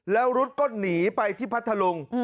แล้วฤทธิ์ก็หนีไปที่พัททะลุง